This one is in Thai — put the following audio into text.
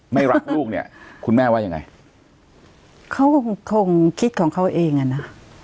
ไม่รักลูกเนี่ยคุณแม่ว่ายังไงเขาก็คงคิดของเขาเองอ่ะนะ